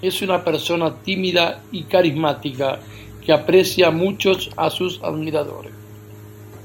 Es una persona tímida y carismática que aprecia mucho a sus admiradores.